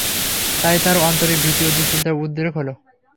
তাই তাঁর অন্তরে ভীতি ও দুশ্চিন্তার উদ্রেক হল।